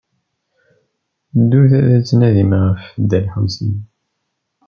Ddut ad d-tnadim ɣef Dda Lḥusin.